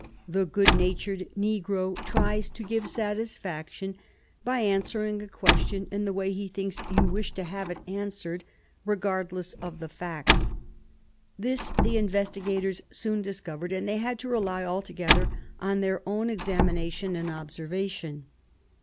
The good natured negro tries to give satisfaction by answering a question in the way he thinks you wish to have it answered, regardless of the facts. This the investigators soon discovered, and they had to rely altogether on their own examination and observation.